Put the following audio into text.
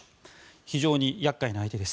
非常に厄介な相手です。